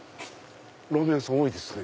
ラーメン屋さん多いですね。